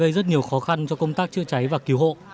gây rất nhiều khó khăn cho công tác chữa cháy và cứu hộ